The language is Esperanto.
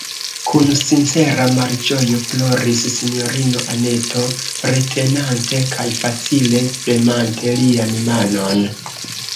Kun sincera malĝojo ploris sinjorino Anneto, retenante kaj facile premante lian manon.